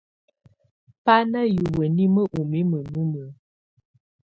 Bà nà hiwǝ́ nimǝ́ ù mimǝ́ numǝ́.